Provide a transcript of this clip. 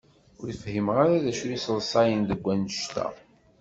Ur fhimeɣ ara acu i yesseḍsayen deg wanect-a.